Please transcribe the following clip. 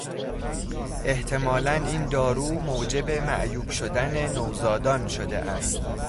احتمالا این دارو موجب معیوب شدن نوزادان شده است.